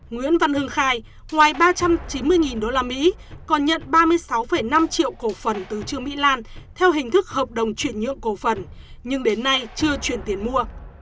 nguyễn văn hưng khai ngoài ba trăm chín mươi usd còn nhận ba mươi sáu năm triệu cổ phần từ trương mỹ lan theo hình thức hợp đồng chuyển nhượng cổ phần nhưng đến nay chưa chuyển tiền mua